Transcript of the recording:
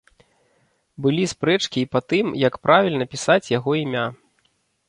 Былі спрэчкі і па тым, як правільна пісаць яго імя.